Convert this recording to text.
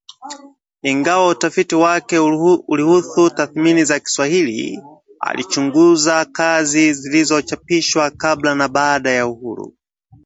Ingawa utafiti wake ulihusu tamthilia za Kiswahili, alichunguza kazi zilizochapishwa kabla na baada ya uhuru